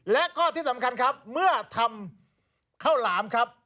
และก็ที่สำคัญครับเมื่อทำข้าวหลามครับ